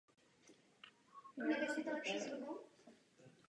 Právě za ni oba získali společně polovinu Nobelovy ceny.